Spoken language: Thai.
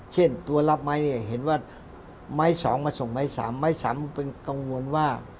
เช่นตัวรับไม้เนี่ยเห็นว่าไม้๒มาส่งไม้๓ไม้๓เป็นกังวลว่า